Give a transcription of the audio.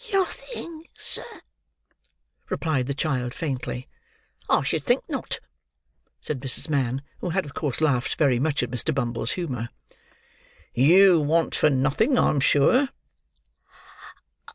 "Nothing, sir," replied the child faintly. "I should think not," said Mrs. Mann, who had of course laughed very much at Mr. Bumble's humour. "You want for nothing, I'm sure."